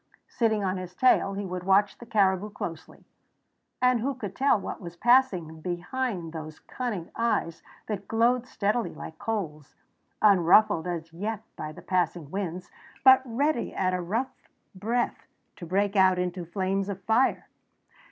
Sitting on his tail he would watch the caribou closely and who could tell what was passing behind those cunning eyes that glowed steadily like coals, unruffled as yet by the passing winds, but ready at a rough breath to break out in flames of fire?